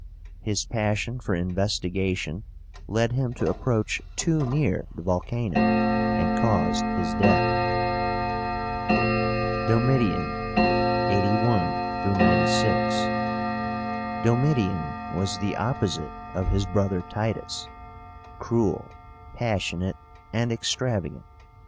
His passion for investigation led him to approach too near the volcano, and caused his death. DOMITIAN (81 96). DOMITIAN was the opposite of his brother Titus, cruel, passionate, and extravagant.